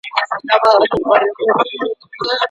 اسمان به څومره لوی وي؟